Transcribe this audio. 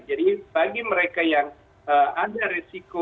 jadi bagi mereka yang ada resiko